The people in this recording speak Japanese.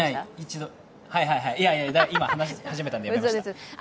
一度、いやいや、今話し始めたのでやめました。